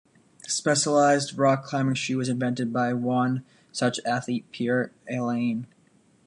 The specialized rock climbing shoe was invented by one such athlete, Pierre Allain.